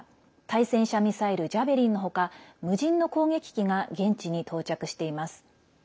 対戦車ミサイル「ジャベリン」のほか無人の攻撃機が現地に到着しています。